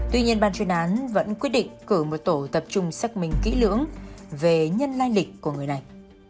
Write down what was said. tuy nhiên ban chuyên án vẫn quyết định cử một tổ tập trung xác minh kỹ lưỡng về nhân lai lịch của người này